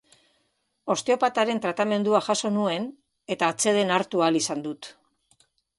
Osteopataren tratamendua jaso nuen eta atseden hartu ahal izan dut.